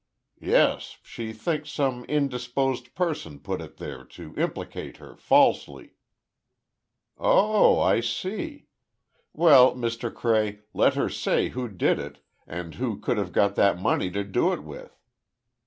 "Yes; she thinks some in disposed person put it there to implicate her, falsely." "Oh, I see. Well, Mr. Cray, let her say who did it, and who could have got that money to do it with."